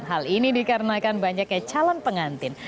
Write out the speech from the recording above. hal ini dikarenakan banyaknya calon pengantin